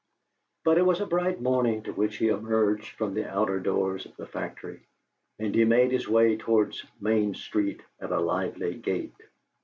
But it was a bright morning to which he emerged from the outer doors of the factory, and he made his way towards Main Street at a lively gait.